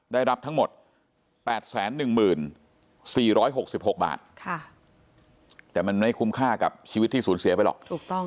ได้รับทั้งหมด๘๑๔๖๖บาทแต่มันไม่คุ้มค่ากับชีวิตที่สูญเสียไปหรอก